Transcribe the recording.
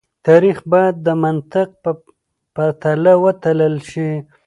تاريخ بايد د منطق په تله وتلل شي.